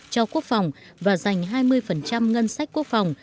cho quốc phòng và dành hai mươi ngân sách quốc phòng